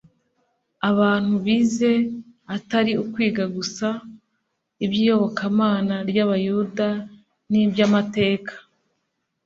abantu bize, atari ukwiga gusa iby’iyobokamana ry’Abayuda n’iby’amateka,